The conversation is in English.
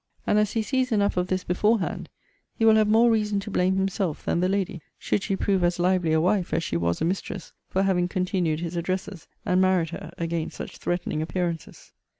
And as he sees enough of this beforehand, he will have more reason to blame himself than the lady, should she prove as lively a wife as she was a mistress, for having continued his addresses, and married her, against such threatening appearances.